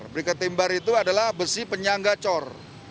berikat timbar itu adalah besi penyangga cor